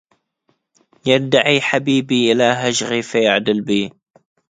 يدعي حبيبي إلى هجري فيعدل بي